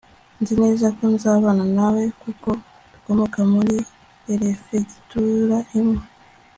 nzi neza ko nzabana na we kuko dukomoka muri perefegitura imwe